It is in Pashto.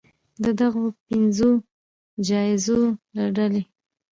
د دغو پنځو جایزو له ډلې